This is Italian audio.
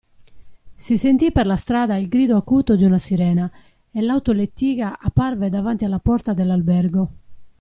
Si sentí per la strada il grido acuto d'una sirena e l'autolettiga apparve davanti alla porta dell'albergo.